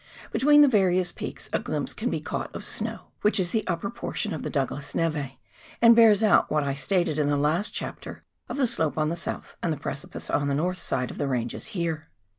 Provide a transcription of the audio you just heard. Between the various peaks a glimpse can be caught of snow, which is the upper portion of the Douglas neve, and bears out what I stated in the last chapter of the slope on the south and precipice on the north sides of the ranges here.